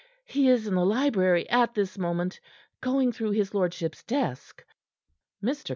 He is in the library at this moment, going through his lordship's desk." Mr.